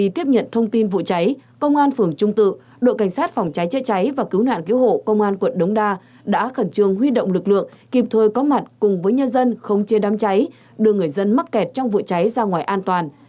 trên vụ cháy công an phường trung tự đội cảnh sát phòng cháy chế cháy và cứu nạn cứu hộ công an quận đống đa đã khẩn trương huy động lực lượng kịp thời có mặt cùng với nhân dân không chê đám cháy đưa người dân mắc kẹt trong vụ cháy ra ngoài an toàn